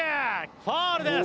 ファウルです。